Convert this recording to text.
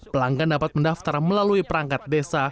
pelanggan dapat mendaftar melalui perangkat desa